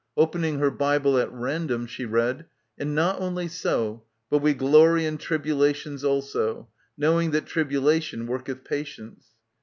Open ing her Bible at random she read, "And not only so, but we glory in tribulations also: knowing that tribulation worketih patience."